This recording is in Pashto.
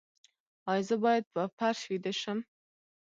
ایا زه باید په فرش ویده شم؟